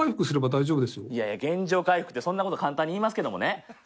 いやいや、原状回復ってそんなこと簡単に言いますけどもね。